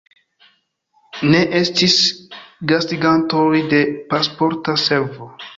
Ne estis gastigantoj de Pasporta Servo.